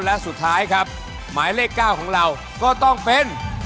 และสุดท้ายครับหมายเลข๙ของเราก็ต้องเป็น